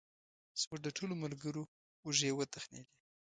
زموږ د ټولو ملګرو اوږې وتخنېدې.